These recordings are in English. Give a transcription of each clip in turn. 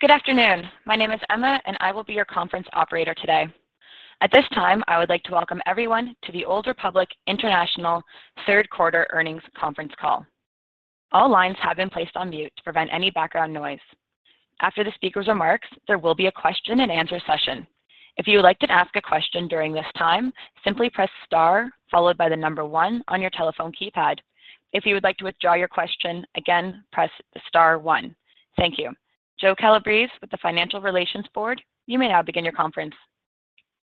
Good afternoon. My name is Emma, and I will be your conference operator today. At this time, I would like to welcome everyone to the Old Republic International Third Quarter Earnings Conference Call. All lines have been placed on mute to prevent any background noise. After the speaker's remarks, there will be a question-and-answer session. If you would like to ask a question during this time, simply press star followed by the number one on your telephone keypad. If you would like to withdraw your question, again, press star one. Thank you. Joe Calabrese with the Financial Relations Board, you may now begin your conference.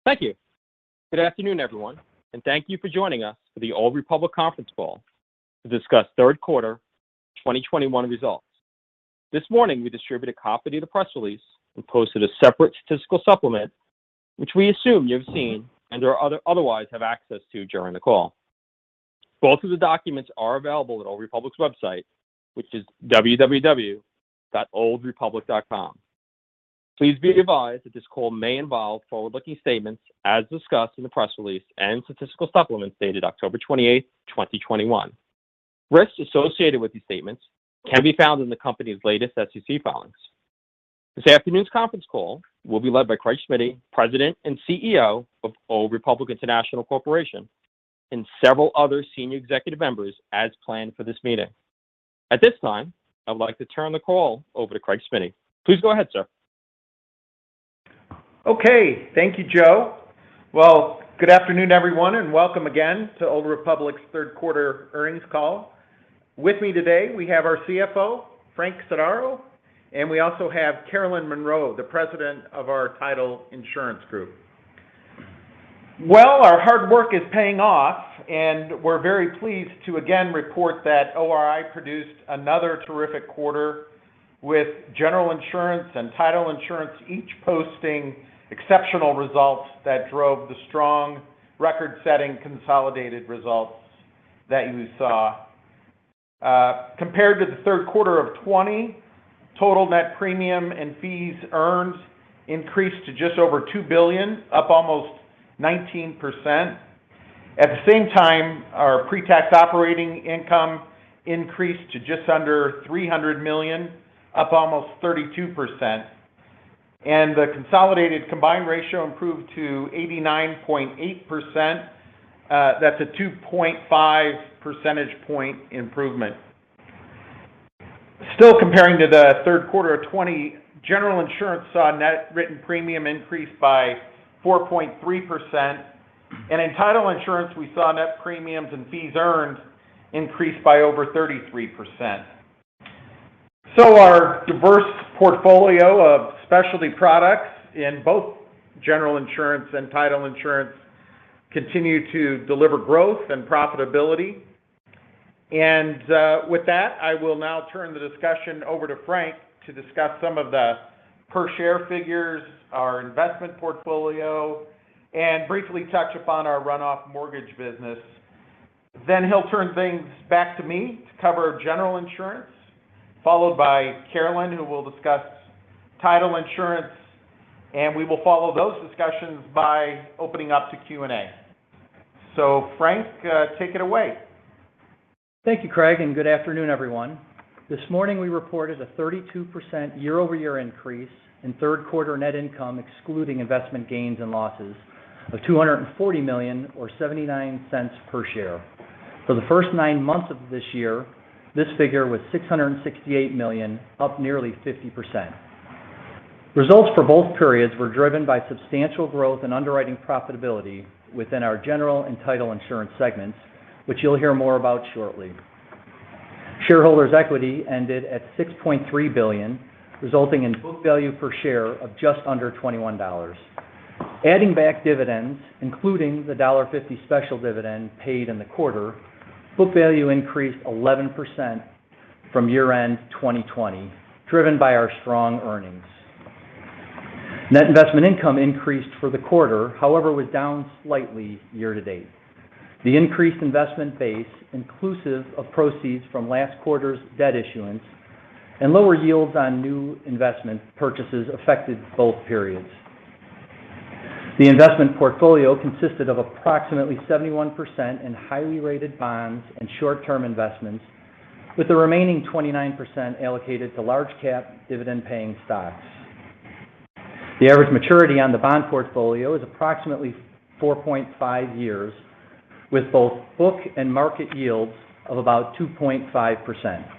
Thank you. Good afternoon, everyone, and thank you for joining us for the Old Republic Conference Call to discuss third quarter 2021 results. This morning, we distributed a copy of the press release and posted a separate statistical supplement, which we assume you've seen and/or otherwise have access to during the call. Both of the documents are available at Old Republic's website, which is www.oldrepublic.com. Please be advised that this call may involve forward-looking statements as discussed in the press release and statistical supplement dated October 28, 2021. Risks associated with these statements can be found in the company's latest SEC filings. This afternoon's conference call will be led by Craig Smiddy, President and CEO of Old Republic International Corporation, and several other senior executive members as planned for this meeting. At this time, I'd like to turn the call over to Craig Smiddy. Please go ahead, sir. Okay. Thank you, Joe. Well, good afternoon, everyone, and welcome again to Old Republic's Third Quarter Earnings Call. With me today, we have our CFO, Frank Sodaro, and we also have Carolyn Monroe, the President of our Title Insurance group. Well, our hard work is paying off, and we're very pleased to again report that ORI produced another terrific quarter with General Insurance and Title Insurance, each posting exceptional results that drove the strong record-setting consolidated results that you saw. Compared to the third quarter of 2020, total net premium and fees earned increased to just over $2 billion, up almost 19%. At the same time, our pre-tax operating income increased to just under $300 million, up almost 32%. The consolidated combined ratio improved to 89.8. That's a 2.5 percentage point improvement. Still comparing to the third quarter of 2020, General Insurance saw net written premium increase by 4.3%. In Title Insurance, we saw net premiums and fees earned increase by over 33%. Our diverse portfolio of specialty products in both General Insurance and Title Insurance continue to deliver growth and profitability. With that, I will now turn the discussion over to Frank to discuss some of the per share figures, our investment portfolio, and briefly touch upon our runoff mortgage business. Then he'll turn things back to me to cover General Insurance, followed by Carolyn, who will discuss Title Insurance, and we will follow those discussions by opening up to Q&A. Frank, take it away. Thank you, Craig, and good afternoon, everyone. This morning, we reported a 32% year-over-year increase in third quarter net income, excluding investment gains and losses of $240 million or $0.79 per share. For the first nine months of this year, this figure was $668 million, up nearly 50%. Results for both periods were driven by substantial growth in underwriting profitability within our General Insurance and Title Insurance segments, which you'll hear more about shortly. Shareholders' equity ended at $6.3 billion, resulting in book value per share of just under $21. Adding back dividends, including the $1.50 special dividend paid in the quarter, book value increased 11% from year-end 2020, driven by our strong earnings. Net investment income increased for the quarter, however, was down slightly year to date. The increased investment base, inclusive of proceeds from last quarter's debt issuance and lower yields on new investment purchases, affected both periods. The investment portfolio consisted of approximately 71% in highly rated bonds and short-term investments, with the remaining 29% allocated to large cap dividend paying stocks. The average maturity on the bond portfolio is approximately 4.5 years, with both book and market yields of about 2.5%.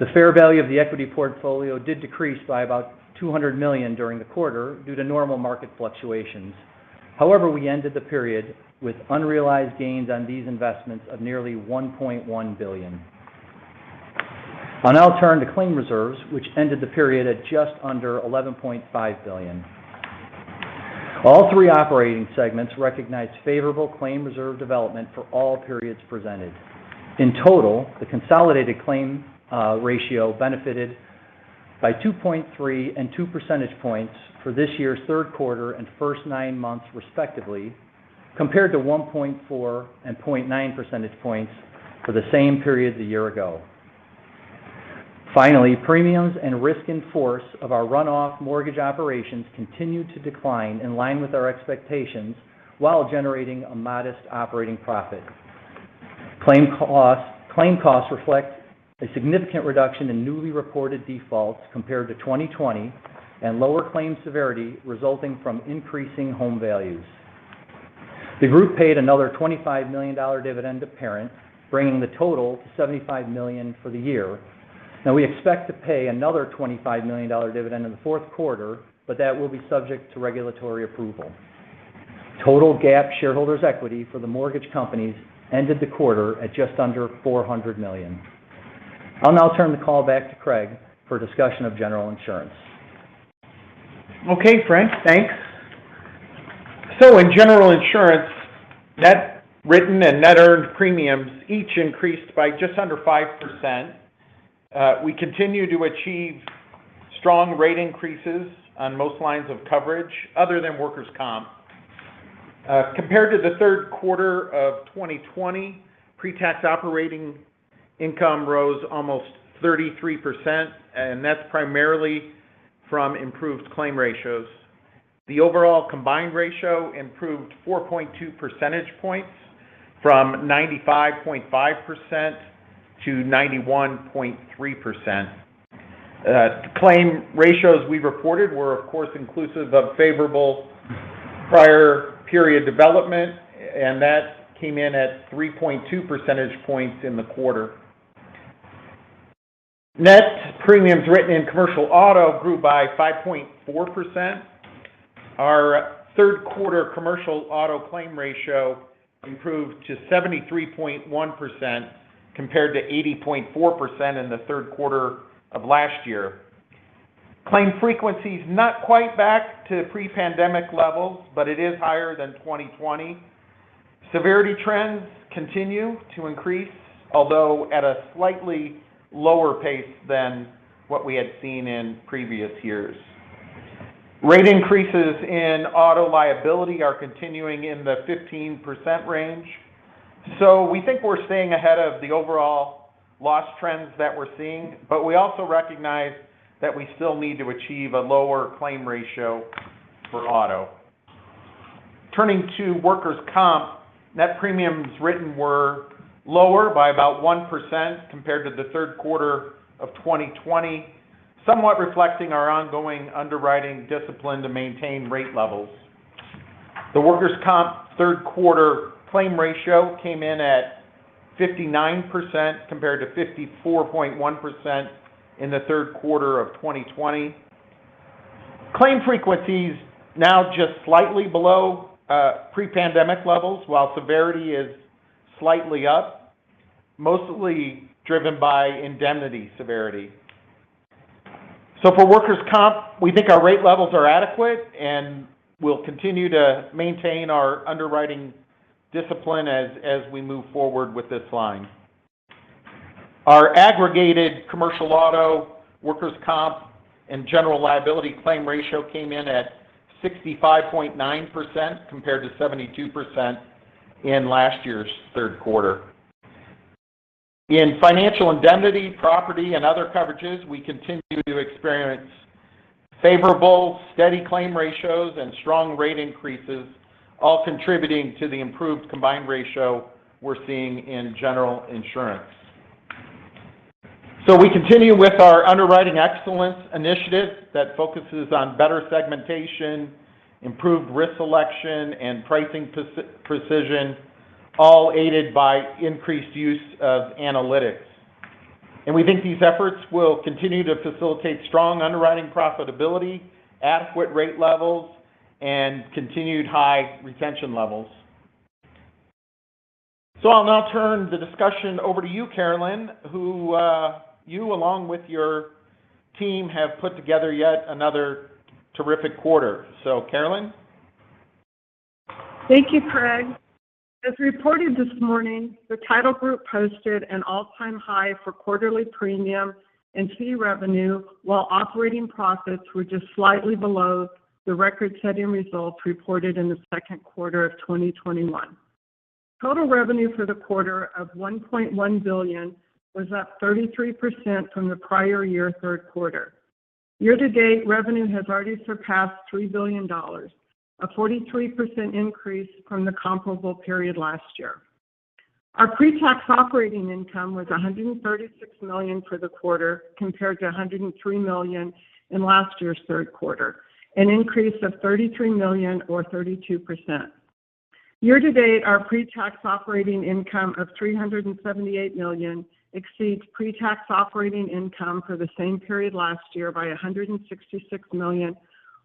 The fair value of the equity portfolio did decrease by about $200 million during the quarter due to normal market fluctuations. However, we ended the period with unrealized gains on these investments of nearly $1.1 billion. I'll now turn to claim reserves, which ended the period at just under $11.5 billion. All three operating segments recognized favorable claim reserve development for all periods presented. In total, the consolidated claim ratio benefited by 2.3 and 2 percentage points for this year's third quarter and first nine months, respectively, compared to 1.4 and 0.9 percentage points for the same periods a year ago. Finally, premiums and risk in force of our runoff mortgage operations continued to decline in line with our expectations while generating a modest operating profit. Claim costs reflect a significant reduction in newly reported defaults compared to 2020 and lower claim severity resulting from increasing home values. The group paid another $25 million dividend to parents, bringing the total to $75 million for the year. Now we expect to pay another $25 million dividend in the fourth quarter, but that will be subject to regulatory approval. Total GAAP shareholders equity for the mortgage companies ended the quarter at just under $400 million. I'll now turn the call back to Craig for discussion of General Insurance. Okay, Frank. Thanks. In general insurance, net written and net earned premiums each increased by just under 5%. We continue to achieve strong rate increases on most lines of coverage other than workers' comp. Compared to the third quarter of 2020, pre-tax operating income rose almost 33%, and that's primarily from improved claim ratios. The overall combined ratio improved 4.2 percentage points from 95.5% to 91.3%. Claim ratios we reported were of course, inclusive of favorable prior period development, and that came in at 3.2 percentage points in the quarter. Net premiums written in commercial auto grew by 5.4%. Our third quarter commercial auto claim ratio improved to 73.1% compared to 80.4% in the third quarter of last year. Claim frequency is not quite back to pre-pandemic levels, but it is higher than 2020. Severity trends continue to increase, although at a slightly lower pace than what we had seen in previous years. Rate increases in auto liability are continuing in the 15% range. We think we're staying ahead of the overall loss trends that we're seeing, but we also recognize that we still need to achieve a lower claim ratio for auto. Turning to workers' comp, net premiums written were lower by about 1% compared to the third quarter of 2020, somewhat reflecting our ongoing underwriting discipline to maintain rate levels. The workers' comp third quarter claim ratio came in at 59% compared to 54.1% in the third quarter of 2020. Claim frequency is now just slightly below pre-pandemic levels, while severity is slightly up, mostly driven by indemnity severity. For workers' comp, we think our rate levels are adequate, and we'll continue to maintain our underwriting discipline as we move forward with this line. Our aggregated commercial auto, workers' comp, and general liability claim ratio came in at 65.9% compared to 72% in last year's third quarter. In financial indemnity, property, and other coverages, we continue to experience favorable, steady claim ratios and strong rate increases, all contributing to the improved combined ratio we're seeing in General Insurance. We continue with our Underwriting Excellence Initiative that focuses on better segmentation, improved risk selection, and pricing precision, all aided by increased use of analytics. We think these efforts will continue to facilitate strong underwriting profitability, adequate rate levels, and continued high retention levels. I'll now turn the discussion over to you, Carolyn, who along with your team have put together yet another terrific quarter. Carolyn? Thank you, Craig. As reported this morning, the Title Group posted an all-time high for quarterly premium and fee revenue while operating profits were just slightly below the record-setting results reported in the second quarter of 2021. Total revenue for the quarter of $1.1 billion was up 33% from the prior year third quarter. Year to date, revenue has already surpassed $3 billion, a 43% increase from the comparable period last year. Our pre-tax operating income was $136 million for the quarter, compared to $103 million in last year's third quarter, an increase of $33 million or 32%. Year to date, our pre-tax operating income of $378 million exceeds pre-tax operating income for the same period last year by $166 million,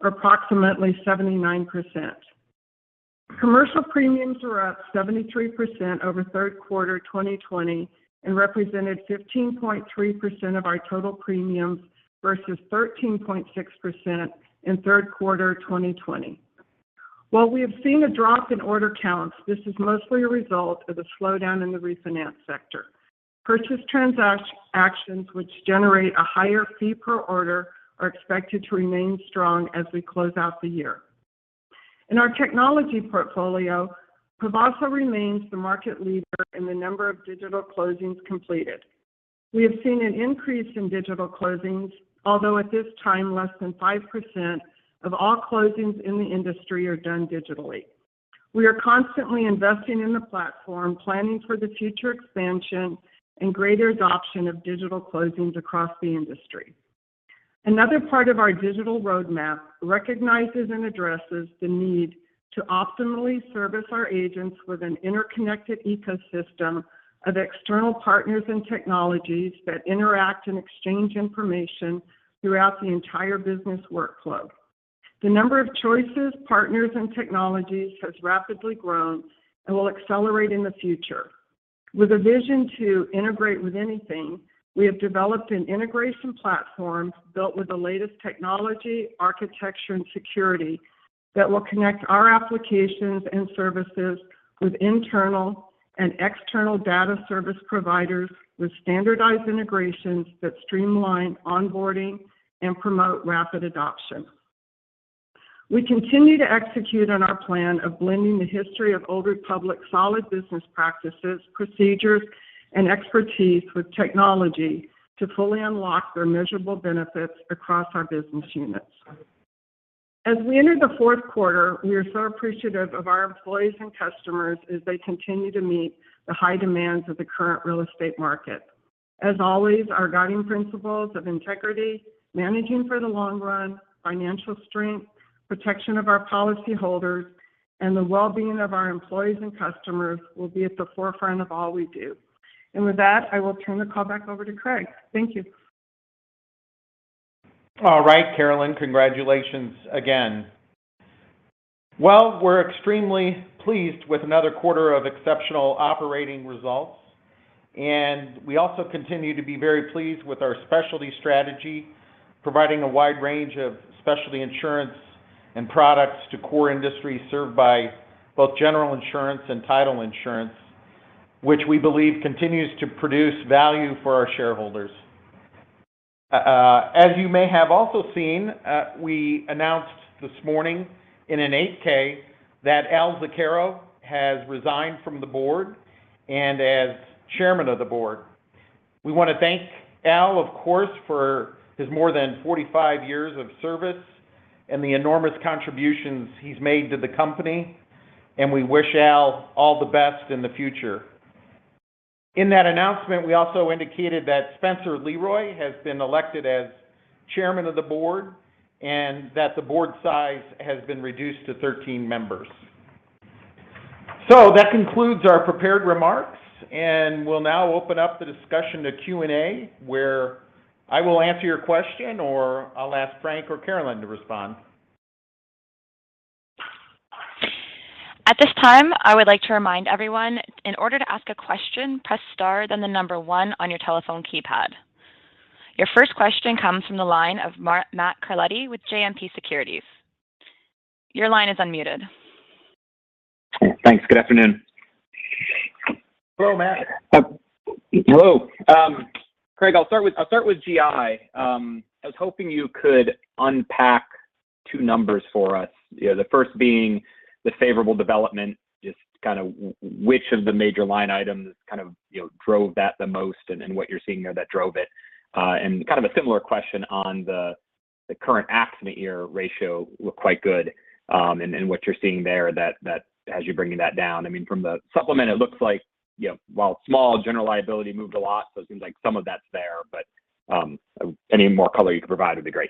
or approximately 79%. Commercial premiums are up 73% over third quarter 2020 and represented 15.3% of our total premiums versus 13.6% in third quarter 2020. While we have seen a drop in order counts, this is mostly a result of the slowdown in the refinance sector. Purchase transactions which generate a higher fee per order are expected to remain strong as we close out the year. In our technology portfolio, Pavaso remains the market leader in the number of digital closings completed. We have seen an increase in digital closings, although at this time less than 5% of all closings in the industry are done digitally. We are constantly investing in the platform, planning for the future expansion and greater adoption of digital closings across the industry. Another part of our digital roadmap recognizes and addresses the need to optimally service our agents with an interconnected ecosystem of external partners and technologies that interact and exchange information throughout the entire business workflow. The number of choices, partners, and technologies has rapidly grown and will accelerate in the future. With a vision to integrate with anything, we have developed an integration platform built with the latest technology, architecture, and security that will connect our applications and services with internal and external data service providers with standardized integrations that streamline onboarding and promote rapid adoption. We continue to execute on our plan of blending the history of Old Republic's solid business practices, procedures, and expertise with technology to fully unlock their measurable benefits across our business units. As we enter the fourth quarter, we are so appreciative of our employees and customers as they continue to meet the high demands of the current real estate market. As always, our guiding principles of integrity, managing for the long run, financial strength, protection of our policyholders, and the well-being of our employees and customers will be at the forefront of all we do. With that, I will turn the call back over to Craig. Thank you. All right, Carolyn. Congratulations again. Well, we're extremely pleased with another quarter of exceptional operating results, and we also continue to be very pleased with our specialty strategy, providing a wide range of specialty insurance and products to core industries served by both General Insurance and Title Insurance, which we believe continues to produce value for our shareholders. As you may have also seen, we announced this morning in an 8-K that Al Zucaro has resigned from the board and as Chairman of the board. We want to thank Al, of course, for his more than 45 years of service and the enormous contributions he's made to the company, and we wish Al all the best in the future. In that announcement, we also indicated that Spencer LeRoy has been elected as Chairman of the board and that the board size has been reduced to 13 members. That concludes our prepared remarks, and we'll now open up the discussion to Q&A, where I will answer your question or I'll ask Frank or Carolyn to respond. At this time, I would like to remind everyone in order to ask a question, press star, then one on your telephone keypad. Your first question comes from the line of Matt Carletti with JMP Securities. Your line is unmuted. Thanks. Good afternoon. Hello, Matt. Hello. Craig, I'll start with GI. I was hoping you could unpack two numbers for us. You know, the first being the favorable development, just kind of which of the major line items kind of, you know, drove that the most and what you're seeing there that drove it. Kind of a similar question on the current accident year ratio, which looked quite good, and what you're seeing there that has you bringing that down. I mean, from the supplement, it looks like, you know, while small, General Liability moved a lot, so it seems like some of that's there. Any more color you could provide would be great.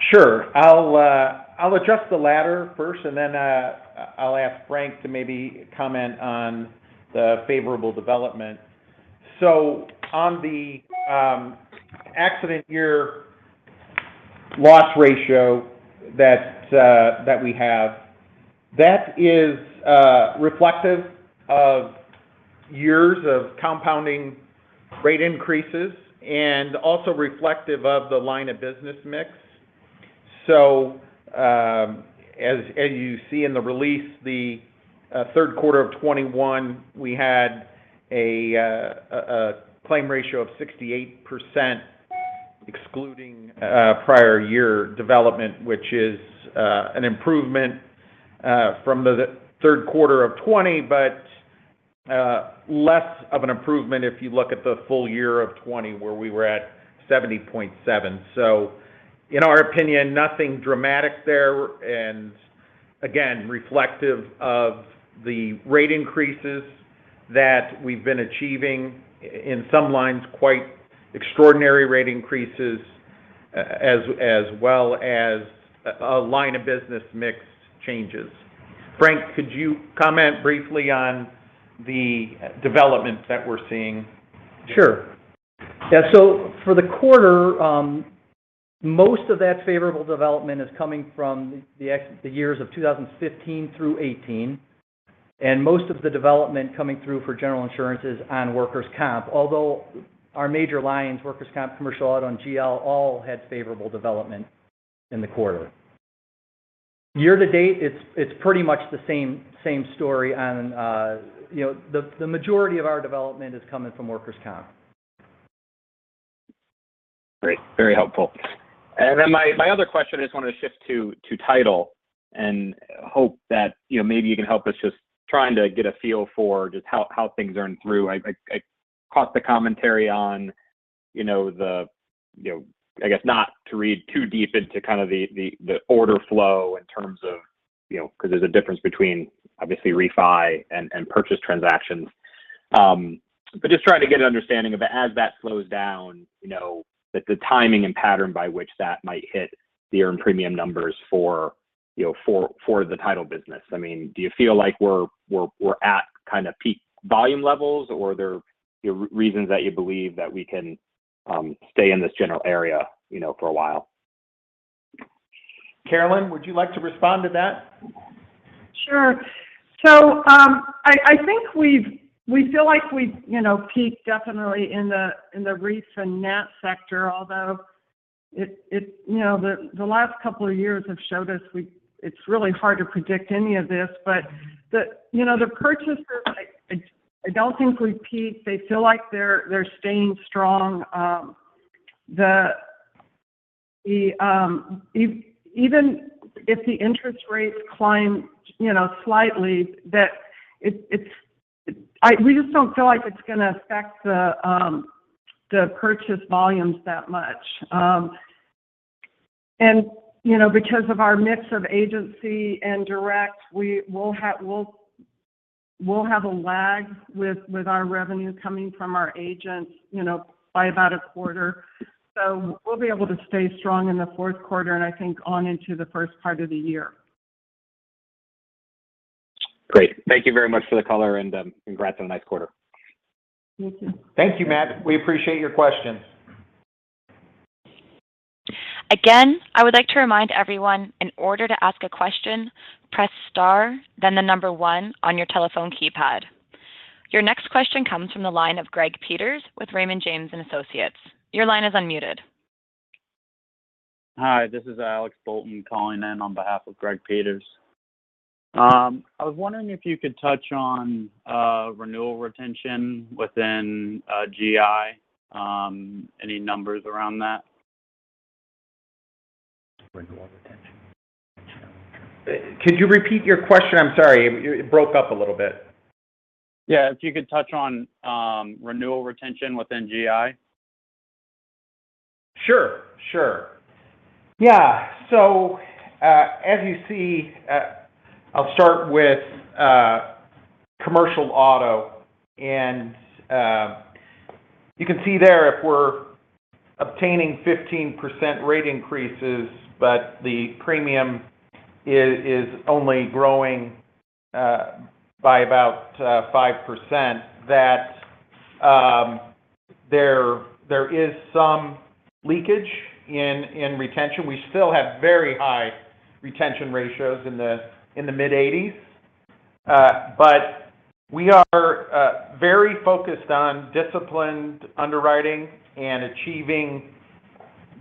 Sure. I'll address the latter first, and then I'll ask Frank to maybe comment on the favorable development. On the accident year loss ratio that we have, that is reflective of years of compounding rate increases and also reflective of the line of business mix. As you see in the release, the third quarter of 2021, we had a claim ratio of 68% excluding prior year development, which is an improvement from the third quarter of 2020, but less of an improvement if you look at the full year of 2020, where we were at 70.7%. In our opinion, nothing dramatic there, and again, reflective of the rate increases that we've been achieving in some lines, quite extraordinary rate increases as well as line of business mix changes. Frank, could you comment briefly on the developments that we're seeing? Sure. Yeah. For the quarter, most of that favorable development is coming from the years of 2015 through 2018, and most of the development coming through for General Insurance is on workers' comp. Although our major lines, workers' comp, commercial auto, and GL all had favorable development in the quarter. Year to date, it's pretty much the same story on the majority of our development is coming from workers' comp. Great, very helpful. My other question, I just wanted to shift to title and hope that, you know, maybe you can help us just trying to get a feel for just how things are in the trough. I caught the commentary on, you know, the, you know, I guess not to read too deep into kind of the order flow in terms of, you know, because there's a difference between obviously refi and purchase transactions. Just trying to get an understanding of as that slows down, you know, that the timing and pattern by which that might hit the earned premium numbers for, you know, for the title business. I mean, do you feel like we're at kind of peak volume levels, or are there reasons that you believe that we can stay in this general area, you know, for a while? Carolyn, would you like to respond to that? Sure. I think we feel like we, you know, peaked definitely in the refi and purchase sector, although it, you know, the last couple of years have showed us it's really hard to predict any of this. You know, the purchasers, I don't think we've peaked. They feel like they're staying strong. Even if the interest rates climb, you know, slightly, we just don't feel like it's going to affect the purchase volumes that much. You know, because of our mix of agency and direct, we'll have a lag with our revenue coming from our agents, you know, by about a quarter. We'll be able to stay strong in the fourth quarter and I think on into the first part of the year. Great. Thank you very much for the color and, congrats on a nice quarter. Thank you. Thank you, Matt. We appreciate your questions. Again, I would like to remind everyone, in order to ask a question, press star then the number one on your telephone keypad. Your next question comes from the line of Greg Peters with Raymond James & Associates. Your line is unmuted. Hi, this is Alex Bolton calling in on behalf of Greg Peters. I was wondering if you could touch on renewal retention within GI. Any numbers around that? Renewal retention. Could you repeat your question? I'm sorry. It broke up a little bit. Yeah. If you could touch on renewal retention within GI. Sure. Yeah. As you see, I'll start with commercial auto, and you can see there if we're obtaining 15% rate increases, but the premium is only growing by about 5%, that there is some leakage in retention. We still have very high retention ratios in the mid-80s. But we are very focused on disciplined underwriting and achieving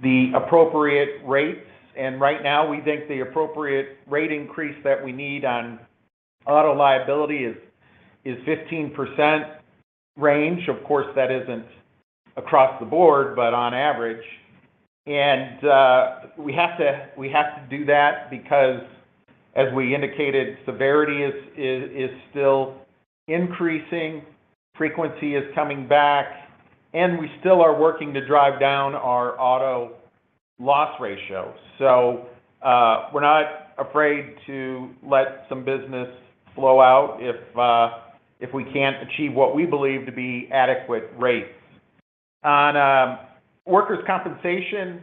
the appropriate rates. Right now we think the appropriate rate increase that we need on auto liability is 15% range. Of course, that isn't across the board, but on average. We have to do that because, as we indicated, severity is still increasing, frequency is coming back, and we still are working to drive down our auto loss ratio. We're not afraid to let some business flow out if we can't achieve what we believe to be adequate rates. On workers' compensation,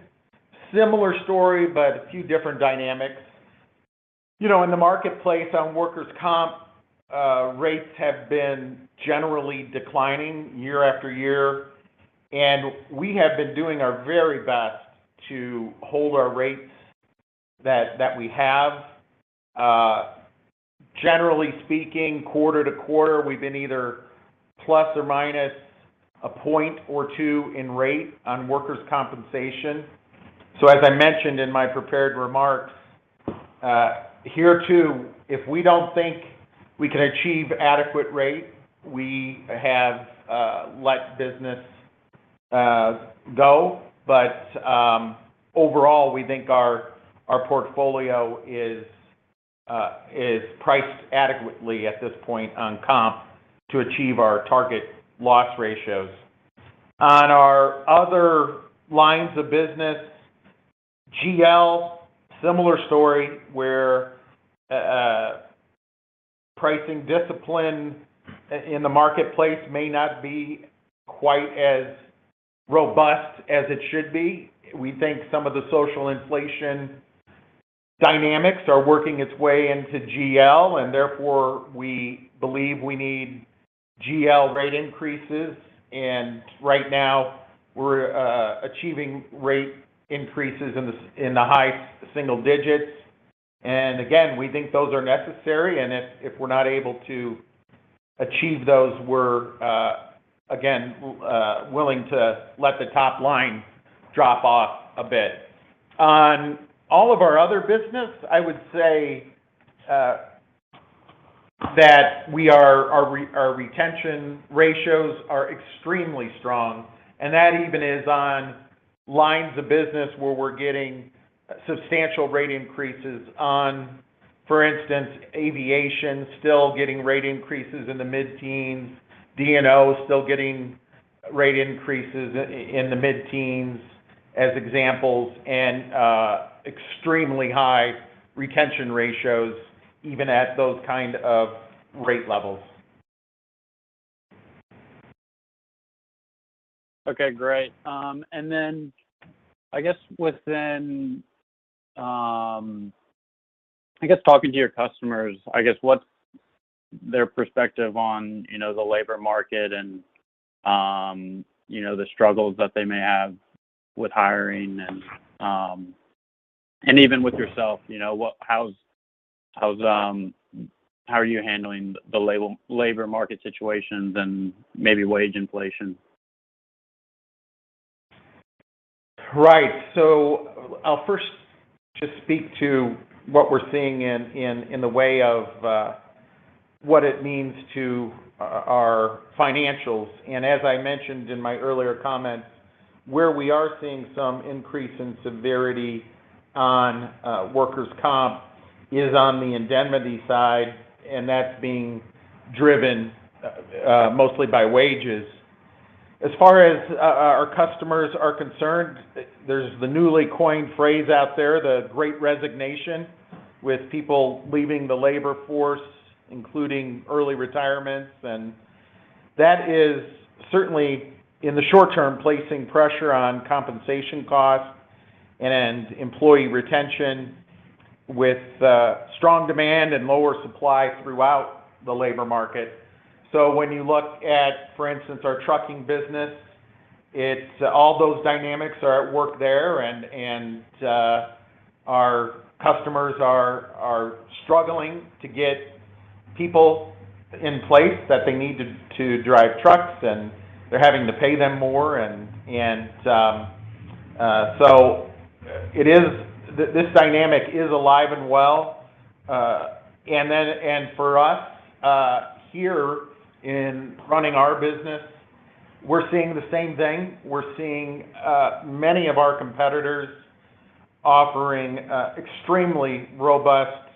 similar story, but a few different dynamics. You know, in the marketplace on workers' comp, rates have been generally declining year after year, and we have been doing our very best to hold our rates that we have. Generally speaking, quarter to quarter, we've been either plus or minus a point or two in rate on workers' compensation. As I mentioned in my prepared remarks, here too, if we don't think we can achieve adequate rate, we have let business go. Overall, we think our portfolio is priced adequately at this point on comp to achieve our target loss ratios. On our other lines of business, GL, similar story, where pricing discipline in the marketplace may not be quite as robust as it should be. We think some of the social inflation dynamics are working its way into GL, and therefore we believe we need GL rate increases. Right now we're achieving rate increases in the high single digits. Again, we think those are necessary, and if we're not able to achieve those, we're again willing to let the top line drop off a bit. On all of our other business, I would say that our retention ratios are extremely strong, and that even in lines of business where we're getting substantial rate increases on, for instance, aviation, still getting rate increases in the mid-teens, D&O is still getting rate increases in the mid-teens as examples, and extremely high retention ratios even at those kind of rate levels. Okay, great. I guess within, I guess talking to your customers, I guess what's their perspective on, you know, the labor market and, you know, the struggles that they may have with hiring and even with yourself, you know, what, how are you handling the labor market situations and maybe wage inflation? Right. I'll first just speak to what we're seeing in the way of what it means to our financials. As I mentioned in my earlier comments, where we are seeing some increase in severity on workers' comp is on the indemnity side, and that's being driven mostly by wages. As far as our customers are concerned, there's the newly coined phrase out there, the great resignation, with people leaving the labor force, including early retirements. That is certainly, in the short term, placing pressure on compensation costs and employee retention with strong demand and lower supply throughout the labor market. When you look at, for instance, our trucking business, it's all those dynamics are at work there and our customers are struggling to get people in place that they need to drive trucks, and they're having to pay them more, so it is this dynamic is alive and well. For us here in running our business, we're seeing the same thing. We're seeing many of our competitors offering extremely robust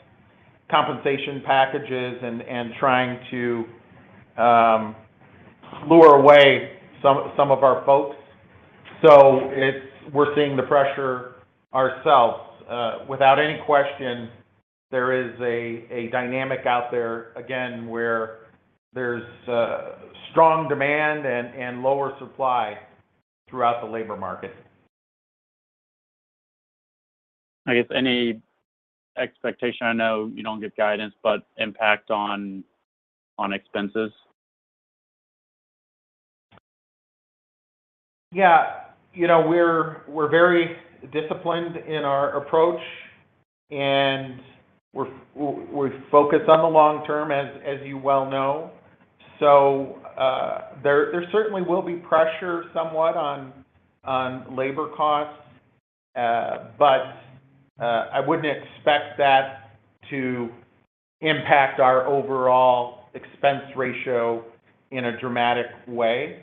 compensation packages and trying to lure away some of our folks. We're seeing the pressure ourselves. Without any question, there is a dynamic out there, again, where there's strong demand and lower supply throughout the labor market. I guess any expectation, I know you don't give guidance, but impact on expenses? Yeah. You know, we're very disciplined in our approach, and we're focused on the long term, as you well know. There certainly will be pressure somewhat on labor costs. I wouldn't expect that to impact our overall expense ratio in a dramatic way.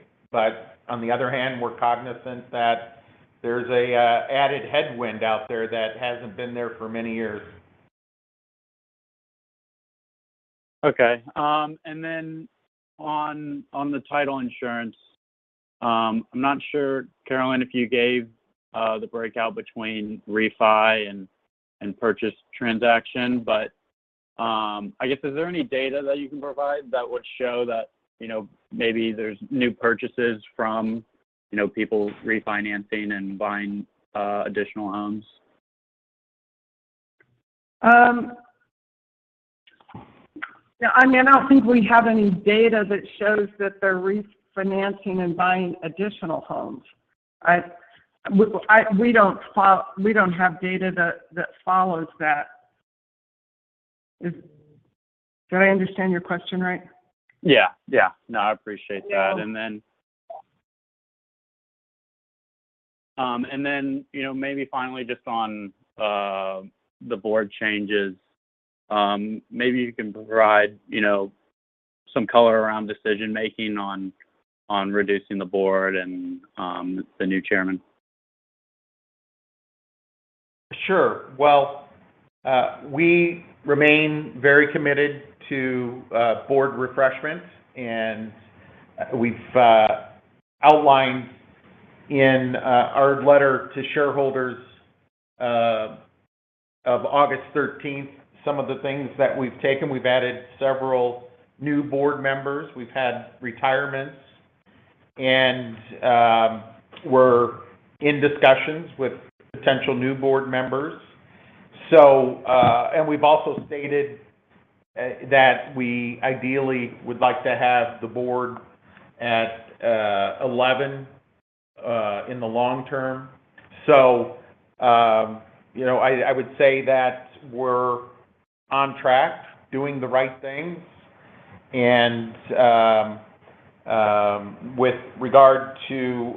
On the other hand, we're cognizant that there's an added headwind out there that hasn't been there for many years. Okay. On the Title Insurance, I'm not sure, Carolyn, if you gave the breakout between refi and purchase transaction, but I guess, is there any data that you can provide that would show that, you know, maybe there's new purchases from, you know, people refinancing and buying additional homes? Yeah, I mean, I don't think we have any data that shows that they're refinancing and buying additional homes. We don't have data that follows that. Did I understand your question right? Yeah. Yeah. No, I appreciate that. Yeah. You know, maybe finally just on the board changes, maybe you can provide, you know, some color around decision-making on reducing the board and the new chairman. Sure. Well, we remain very committed to board refreshment, and we've outlined in our letter to shareholders of August 13th some of the things that we've taken. We've added several new board members. We've had retirements, and we're in discussions with potential new board members. We've also stated that we ideally would like to have the board at 11 in the long term. You know, I would say that we're on track doing the right things, and with regard to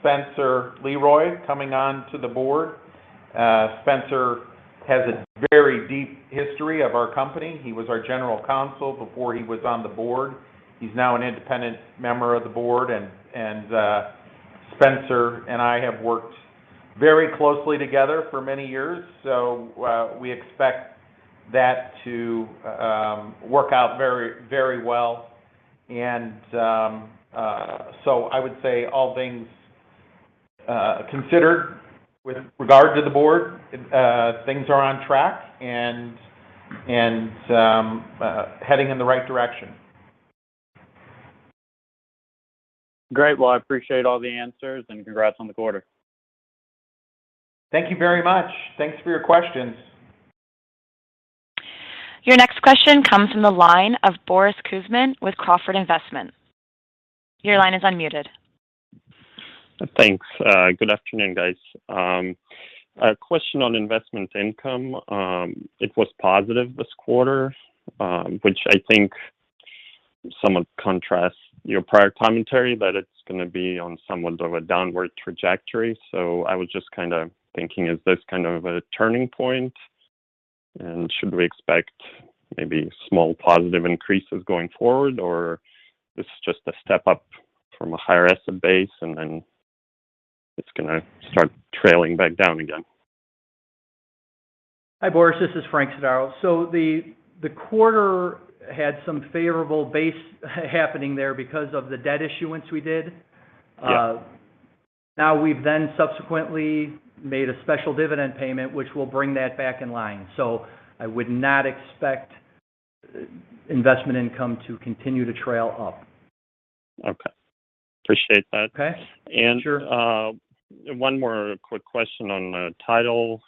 Spencer LeRoy coming on to the board, Spencer has a very deep history of our company. He was our general counsel before he was on the board. He's now an independent member of the board, and Spencer and I have worked very closely together for many years. We expect that to work out very, very well. I would say all things considered with regard to the board, things are on track and heading in the right direction. Great. Well, I appreciate all the answers, and congrats on the quarter. Thank you very much. Thanks for your questions. Your next question comes from the line of Boris Kuzmin with Crawford Investment. Your line is unmuted. Thanks. Good afternoon, guys. A question on investment income. It was positive this quarter, which I think somewhat contrasts your prior commentary that it's gonna be on somewhat of a downward trajectory. I was just kinda thinking, is this kind of a turning point? Should we expect maybe small positive increases going forward, or this is just a step up from a higher asset base and then it's gonna start trailing back down again? Hi, Boris. This is Frank Sodaro. The quarter had some favorable base happening there because of the debt issuance we did. Yeah. Now we've then subsequently made a special dividend payment, which will bring that back in line. I would not expect investment income to continue to trail up. Okay. Appreciate that. Okay. Sure. One more quick question on the Title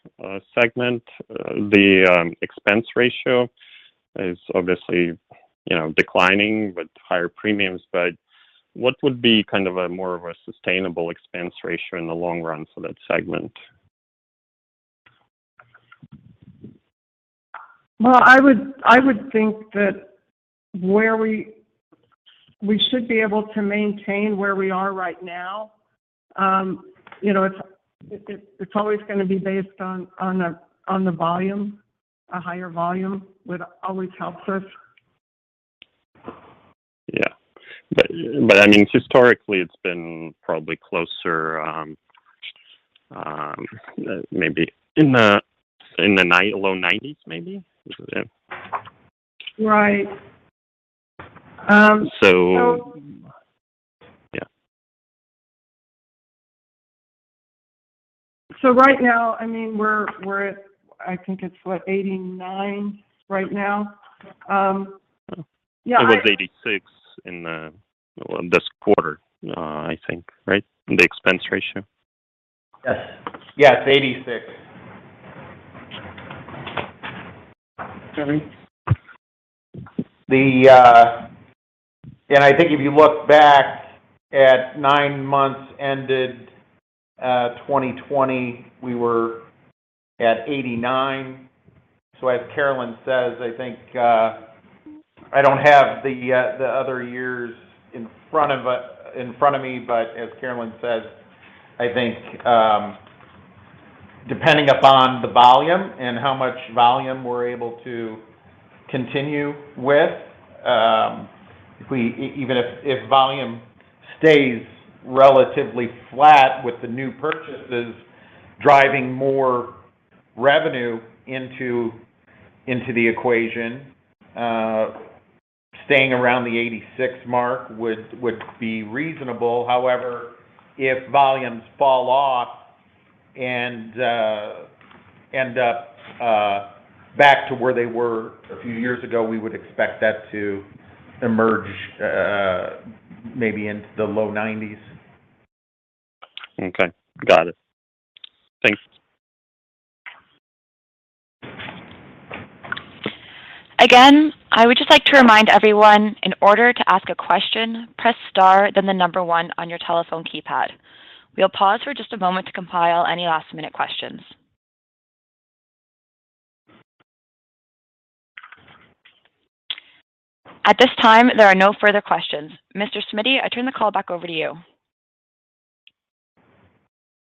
segment. The expense ratio is obviously, you know, declining with higher premiums, but what would be kind of a more of a sustainable expense ratio in the long run for that segment? Well, I would think that where we should be able to maintain where we are right now. You know, it's always gonna be based on the volume. A higher volume would always help us. I mean, historically, it's been probably closer, maybe in the low 90s, maybe. Is it? Right. Yeah. Right now, I mean, we're at, I think it's, what, 89% right now. Yeah. It was 86% in this quarter, I think, right? The expense ratio. Yes. Yeah, it's 86%. I think if you look back at nine months ended 2020, we were at 89%. As Carolyn says, I think I don't have the other years in front of me. As Carolyn says, I think depending upon the volume and how much volume we're able to continue with, even if volume stays relatively flat with the new purchases driving more revenue into the equation, staying around the 86% mark would be reasonable. However, if volumes fall off and end up back to where they were a few years ago, we would expect that to emerge maybe into the low 90s%. Okay. Got it. Thanks. Again, I would just like to remind everyone, in order to ask a question, press star then the number one on your telephone keypad. We'll pause for just a moment to compile any last-minute questions. At this time, there are no further questions. Mr. Smiddy, I turn the call back over to you.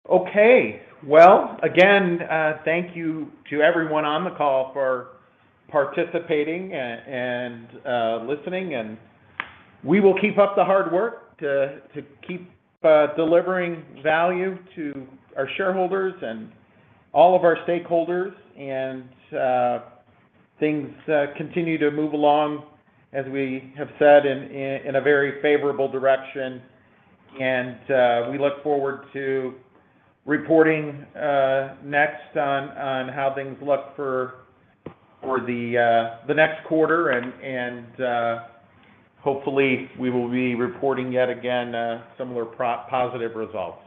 Okay. Well, again, thank you to everyone on the call for participating and listening, and we will keep up the hard work to keep delivering value to our shareholders and all of our stakeholders. Things continue to move along, as we have said, in a very favorable direction. We look forward to reporting next on how things look for the next quarter. Hopefully we will be reporting yet again similar positive results.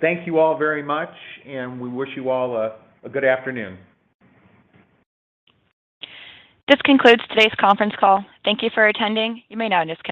Thank you all very much, and we wish you all a good afternoon. This concludes today's conference call. Thank you for attending. You may now disconnect.